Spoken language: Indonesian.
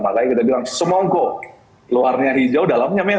makanya kita bilang semongko luarnya hijau dalamnya merah